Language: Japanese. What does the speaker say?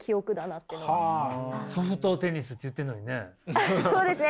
ソフトテニスって言ってんのにね。